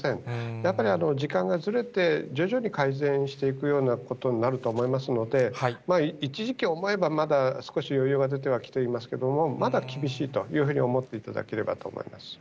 やっぱり時間がずれて、徐々に改善していくようなことになるとは思いますので、一時期を思えば、まだ少し余裕が出てきてはいますけれども、まだ厳しいというふうに思っていただければと思います。